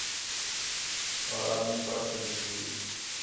اور امی پڑھ سڳدی ہی